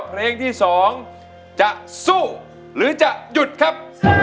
เพลงที่๒จะสู้หรือจะหยุดครับ